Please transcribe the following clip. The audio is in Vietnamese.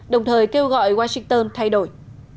đồng thời kêu gọi washington thay đổi